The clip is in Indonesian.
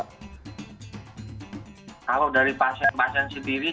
kalau dari pasien pasien sendiri